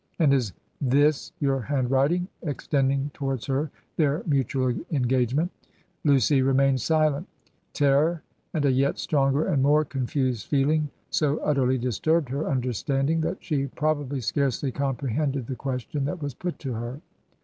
' And is this your handwriting?' ex tending towards her their mutual engagement. Lucy remained silent. Terror and a yet stronger and more confused feehng so utterly disturbed her understanding that she probably scarcely comprehended the question that was put to her.